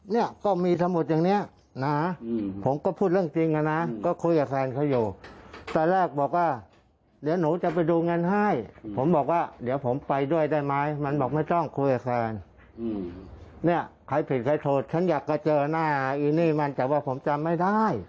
เนี่ยใครผิดใครโทษฉันอยากจะเจอหน้าอีนี่มันแต่ว่าผมจำไม่ได้